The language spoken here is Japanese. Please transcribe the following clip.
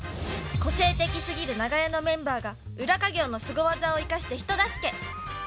個性的すぎる長屋のメンバーが裏家業のスゴ技を生かして人助け。